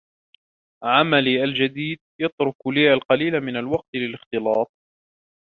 عملي الجديد يترك لي القليل من الوقت للاختلاط.